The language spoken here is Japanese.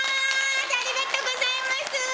ありがとうございます！